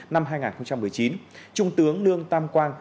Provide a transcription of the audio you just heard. năm hai nghìn một mươi chín trung tướng lương tam quang